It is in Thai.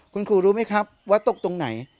คุณครูรู้ไหมครับว่าตกตรงไหน